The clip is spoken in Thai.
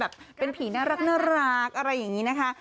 เป็นผีน่ารักอะไรอย่างนี้นะคะ